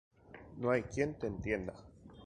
no hay quién te entienda